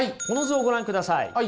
この図をご覧ください。